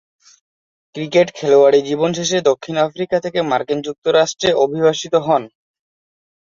Cricket খেলোয়াড়ী জীবন শেষে দক্ষিণ আফ্রিকা থেকে মার্কিন যুক্তরাষ্ট্রে অভিবাসিত হন।